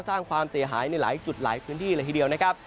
สร้างความเสียหายในหลายจุดหลายพื้นที่เลยทีเดียวนะครับ